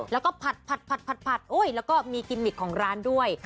แล้วก็ผัดแล้วก็มีกิมมิกของร้านด้วย